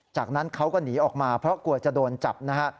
จากนั้นเขาก็หนีออกมาเพราะกลัวจะโดนจับนะฮะ